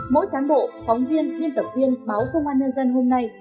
mỗi cán bộ phóng viên biên tập viên báo công an nhân dân hôm nay